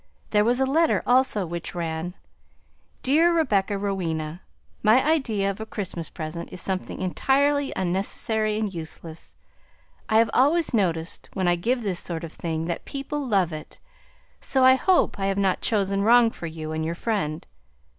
There was a letter also, which ran: Dear Miss Rebecca Rowena, My idea of a Christmas present is something entirely unnecessary and useless. I have always noticed when I give this sort of thing that people love it, so I hope I have not chosen wrong for you and your friend.